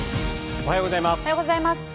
おはようございます。